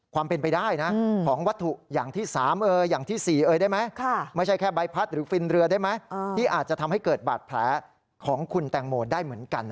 ความเป็นไปได้น่ะของวัตถุอย่างที่๓